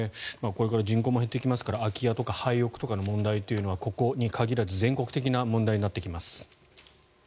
これから人口も減ってきますから空き家とか廃屋とかの問題というのはここだけに限らず全国的な問題になってきます。